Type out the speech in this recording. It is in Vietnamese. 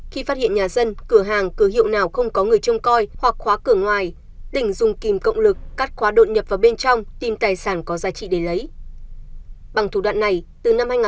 khi phát hiện nhà dân cửa hàng cửa hiệu nào không có người trông coi hoặc khóa cửa ngoài tỉnh dùng kìm cộng lực cắt khóa đột nhập vào bên trong tìm tài sản có giá trị để lấy